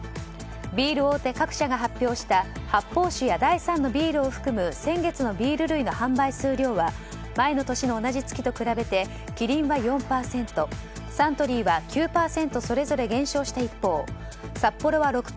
ビール大手各社が発表した発泡酒や第３のビールを含む先月のビール類の販売数量は前の年の同じ月と比べてキリンは４％、サントリーは９％それぞれ減少した一方サッポロは６％